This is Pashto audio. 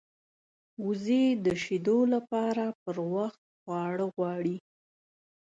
وزې د شیدو لپاره پر وخت خواړه غواړي